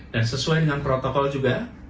dan sesuai dengan protokol juga